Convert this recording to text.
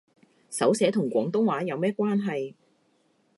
手寫同廣東話有咩關係